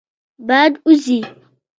باد وزي.